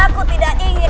aku tidak ingin